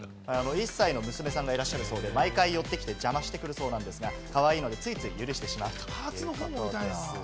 １歳の娘さんがいらっしゃるそうで、毎回寄ってきて邪魔してくるそうですが、かわいいのでついつい許してしまうそうなんです。